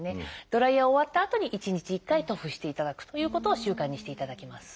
ドライヤー終わったあとに１日１回塗布していただくということを習慣にしていただきます。